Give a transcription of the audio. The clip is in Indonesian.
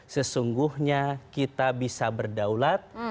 sesungguhnya kita bisa berdaulat